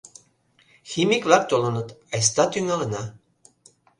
Химик-влак толыныт, айста тӱҥалына.